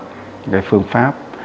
những cái phương pháp